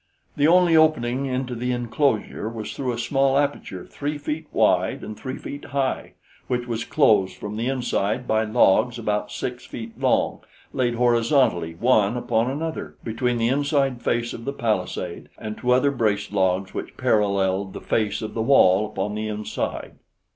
The only opening into the inclosure was through a small aperture three feet wide and three feet high, which was closed from the inside by logs about six feet long laid horizontally, one upon another, between the inside face of the palisade and two other braced logs which paralleled the face of the wall upon the inside.